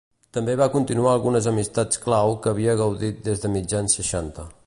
També va continuar algunes amistats clau que havia gaudit des de mitjan seixanta.